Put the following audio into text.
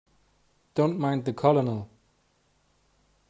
Don't mind the Colonel.